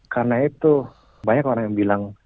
karena itu banyak orang yang bilang